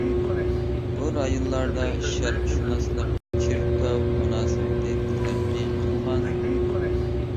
بۇ رايونلاردا شەرقشۇناسلىق-چېركاۋ مۇناسىۋىتى تەرەققىي قىلغان.